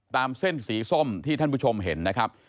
เส้นสีส้มที่ท่านผู้ชมเห็นนะครับ